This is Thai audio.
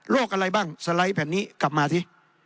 อะไรบ้างสไลด์แผ่นนี้กลับมาสิ